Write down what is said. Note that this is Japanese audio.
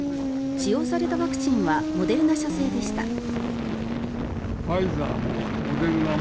使用されたワクチンはモデルナ社製でした。